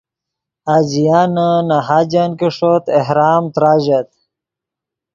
حاجیان نے حاجن کہ ݰوت احرام تراژت